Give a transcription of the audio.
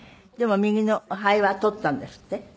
でも右の肺は取ったんですって？